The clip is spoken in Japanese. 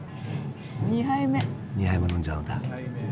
２杯も飲んじゃうんだ。